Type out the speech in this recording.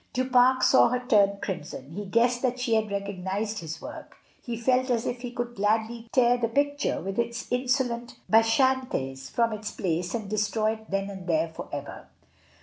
Du Pare saw her turn crimson; he guessed that she had recognised his work; he felt as if he could gladly tear the picture with its insolent Bacchantes from its place and destroy it then and there for ever.